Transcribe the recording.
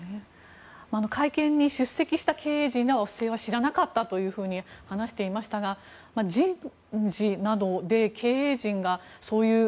会見に出席した経営陣らは不正は知らなかったと話していましたが人事などで経営陣が。